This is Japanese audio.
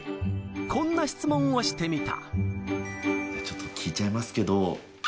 こんな質問をしてみた。